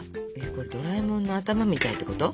これドラえもんの頭みたいってこと？